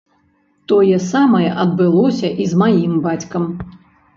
Тое самае адбылося і з маім бацькам.